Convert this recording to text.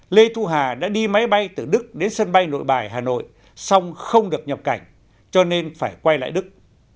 lê thu hà đã đi máy bay từ đức đến sân bay nội bài hà nội xong không được nhập cảnh cho nên phải quay lại đức